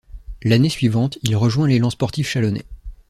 L'année suivante, il rejoint l'Élan sportif chalonnais.